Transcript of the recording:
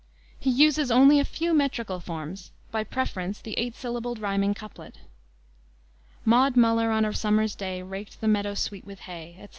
He uses only a few metrical forms by preference the eight syllabled rhyming couplet "Maud Muller on a summer's day Raked the meadow sweet with hay," etc.